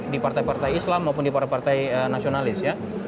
di partai partai islam maupun di partai partai nasionalis ya